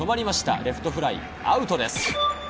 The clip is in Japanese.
レフトフライ、アウトです。